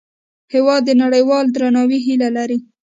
هېواد د نړیوال درناوي هیله لري.